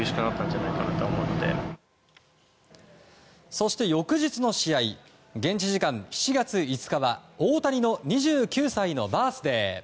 そして、翌日の試合現地時間７月５日は大谷の２９歳のバースデー。